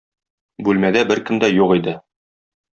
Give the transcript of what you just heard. Бүлмәдә беркем дә юк иде.